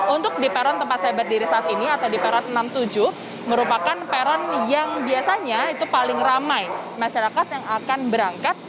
untuk di peron tempat saya berdiri saat ini atau di peron enam puluh tujuh merupakan peron yang biasanya itu paling ramai masyarakat yang akan berangkat